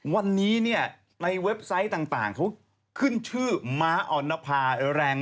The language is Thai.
วันนี้ในเว็บไซต์ต่าง